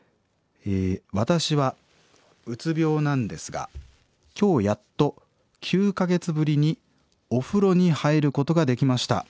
「私はうつ病なんですが今日やっと９か月ぶりにお風呂に入ることができました」。